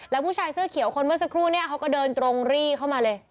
แล้วผู้ชายเสื้อเขียวคนเมื่อสักครู่เนี่ยเขาก็เดินตรงรีเข้ามาเลย